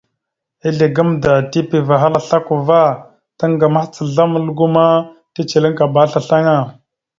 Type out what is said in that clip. Izle gamnda tipiva ahal a slako ava, taŋga mahəca azlam algo ma, teceliŋ akabara aslasl aŋa.